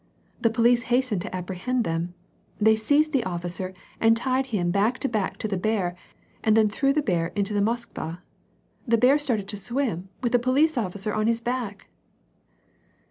The police hastened to apprehend them. They seized the oflBcer and tied him back to back to the bear, and then threw the bear into the Moskva : the bear started to swim with the police officer on his back